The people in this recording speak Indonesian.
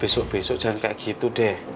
besok besok jangan kayak gitu deh